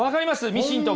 ミシンとか。